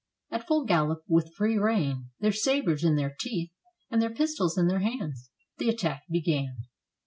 At full gallop, with free rein, their sabers in their teeth, and their pistols in their hands, the attack be gan.